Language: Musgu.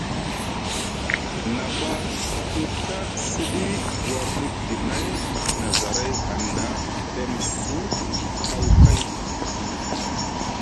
Na ɓa te Ɵa siɗi warɗi guinay na zaray hanɗa pɗemsu haw kayɗi.